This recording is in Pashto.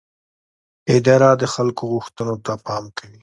اداره د خلکو غوښتنو ته پام کوي.